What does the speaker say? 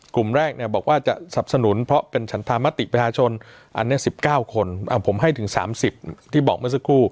กลุ่มแรกเนี่ยบอกว่าจะสับสนุนเพราะเป็นฉันธรรมติประชาชนอันนี้๑๙คนผมให้ถึง๓๐ที่บอกเมื่อสักครู่